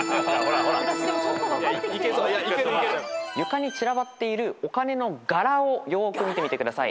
床に散らばっているお金の柄をよく見てみてください。